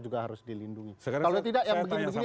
juga harus dilindungi kalau tidak yang begini begini